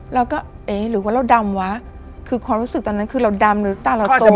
เราก็เอ๊ะหรือว่าเราดำวะคือความรู้สึกตอนนั้นคือเราดำหรือตาเราจม